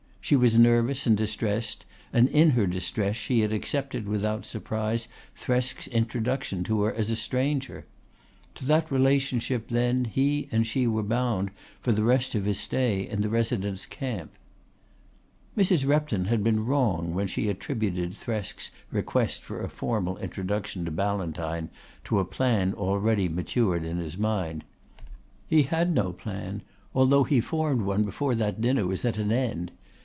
She was nervous and distressed, and in her distress she had accepted without surprise Thresk's introduction to her as a stranger. To that relationship then he and she were bound for the rest of his stay in the Resident's camp. Mrs. Repton had been wrong when she had attributed Thresk's request for a formal introduction to Ballantyne to a plan already matured in his mind. He had no plan, although he formed one before that dinner was at an end.